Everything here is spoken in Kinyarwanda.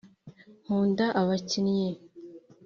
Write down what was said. nkunda abakinnyi